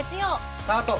スタート！